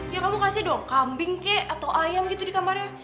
ya kamu kasih dong kambing kek atau ayam gitu di kamarnya